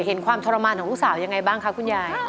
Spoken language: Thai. เห็นความทรมานของลูกสาวยังไงบ้างคะคุณยาย